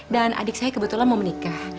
dan adik saya kebetulan mau menikah